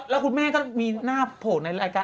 แล้วคุณแม่ก็มีหน้าโผล่ในรายการ